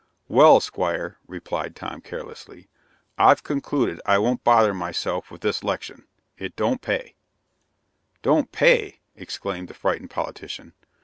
"Well, Squire," replied Tom carelessly, "I've concluded I won't bother myself with this 'lection it don't pay!" "Don't pay!" exclaimed the frightened politician.